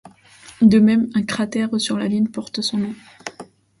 De même un cratère sur la Lune porte son nom.